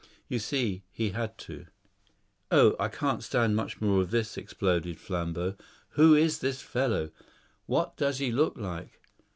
You see, he had to." "Oh, I can't stand much more of this," exploded Flambeau. "Who is this fellow? What does he look like?